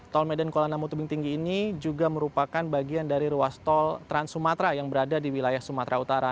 tol medan kuala namu tebing tinggi ini juga merupakan bagian dari ruas tol trans sumatera yang berada di wilayah sumatera utara